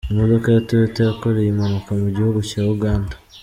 Imodoka ya Toyota yakoreye impanuka mu gihugu cya Uganda